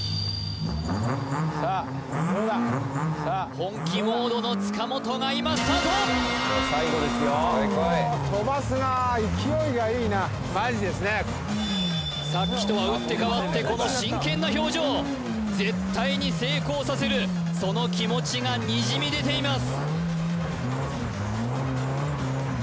本気モードの塚本が今スタートさっきとは打って変わってこの真剣な表情絶対に成功させるその気持ちがにじみ出ています